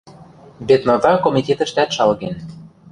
Беднота комитетӹштӓт шалген.